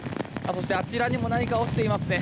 そしてあちらにも何か落ちていますね。